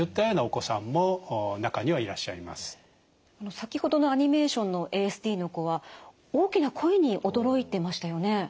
先程のアニメーションのＡＳＤの子は大きな声に驚いてましたよね？